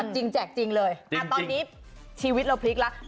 แจกจริงเลยตอนนี้ชีวิตเราพลิกแล้ว